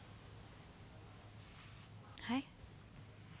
はい？